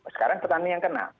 sekarang petani yang kena